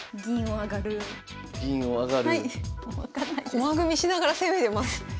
駒組みしながら攻めてます。